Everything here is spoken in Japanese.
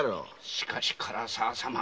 しかし唐沢様